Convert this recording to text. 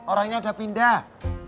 orangnya udah pindah